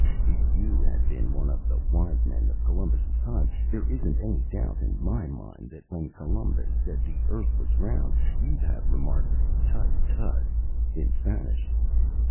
If you had been one of the wise men of Columbus's time there isn't any doubt in my mind that when Columbus said the earth was round, you'd have remarked tutt, tutt, in Spanish."